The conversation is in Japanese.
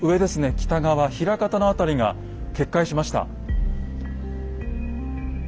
北側枚方の辺りが決壊しました。